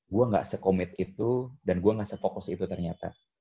gue gak sekomit itu dan gue gak sefokus itu ternyata